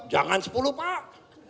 jangan sepuluh pak